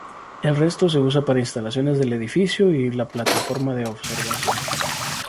El resto se usa para instalaciones del edificio y la plataforma de observación.